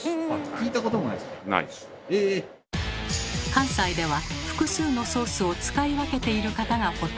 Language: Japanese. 関西では複数のソースを使い分けている方がほとんど。